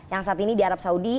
yang saat ini di arab saudi